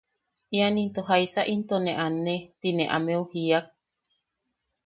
–Ian into jaisa into ne anne. Ti ne ameu jiiak.